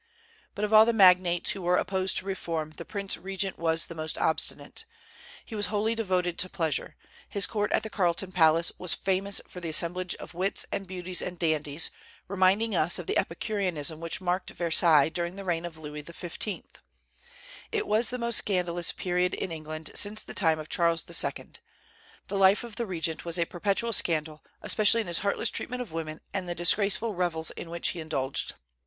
But of all the magnates who were opposed to reform, the prince regent was the most obstinate. He was wholly devoted to pleasure. His court at the Carleton palace was famous for the assemblage of wits and beauties and dandies, reminding us of the epicureanism which marked Versailles during the reign of Louis XV. It was the most scandalous period in England since the times of Charles II. The life of the regent was a perpetual scandal, especially in his heartless treatment of women, and the disgraceful revels in which he indulged.